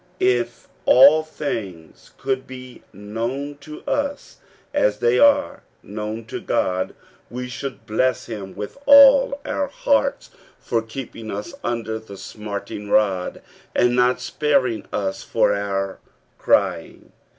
If all things could be known to us as they are known to God, we should bless him with all our hearts for keeping us under the smarting rod, and not sparing us for our crying.